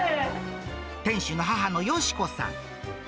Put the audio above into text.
店主の母の芳子さん。